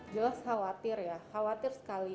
jelas khawatir ya khawatir sekali